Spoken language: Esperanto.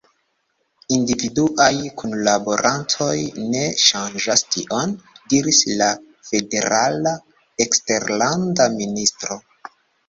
Individuaj kunlaborantoj ne ŝanĝas tion," diris la Federala Eksterlanda Ministro.